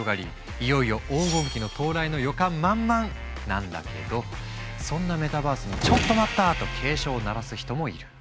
いよいよ黄金期の到来の予感満々なんだけどそんなメタバースにと警鐘を鳴らす人もいる。